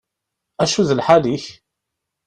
Acu d lḥal-ik?